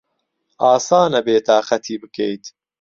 ئاسانە بێتاقەتی بکەیت.